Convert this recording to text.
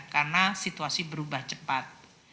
karena situasi berubah cepat